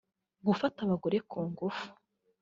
gufata abagore ku ngufu